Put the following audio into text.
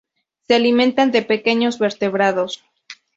Se alimentan de pequeños vertebrados.